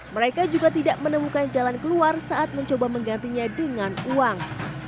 mereka juga tidak menemukan jalan keluar saat mencoba menggantinya dengan uang